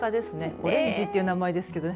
オレンジという名前ですけどね